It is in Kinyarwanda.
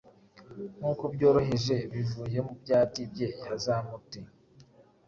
Nkuko byoroheje bivuye mubyati bye yazamute